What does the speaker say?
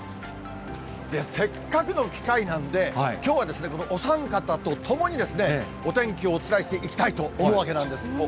せっかくの機会なんで、きょうはですね、このお三方と共に、お天気をお伝えしていきたいと思うわけなんです。